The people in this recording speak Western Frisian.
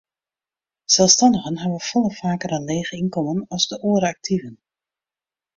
Selsstannigen hawwe folle faker in leech ynkommen as de oare aktiven.